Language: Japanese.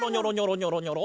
にょろにょろ。